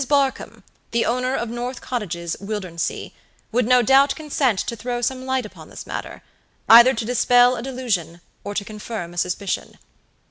Barkamb, the owner of North Cottages, Wildernsea, would no doubt consent to throw some light upon this matter; either to dispel a delusion or to confirm a suspicion.